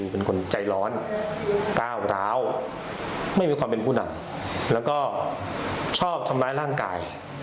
เป็นคนใจร้อนก้าวร้าวไม่มีความเป็นผู้นำแล้วก็ชอบทำร้ายร่างกาย